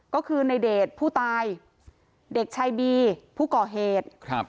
ก็คือในเดชผู้ตายเด็กชายบีผู้ก่อเหตุครับ